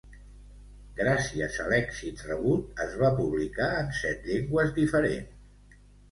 Gràcies a l'èxit rebut, es va publicar en set llengües diferents.